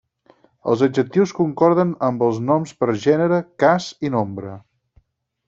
Els adjectius concorden amb els noms per gènere, cas, i nombre.